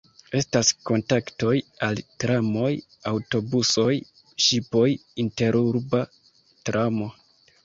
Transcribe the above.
Estas kontaktoj al tramoj, aŭtobusoj, ŝipoj, interurba tramo.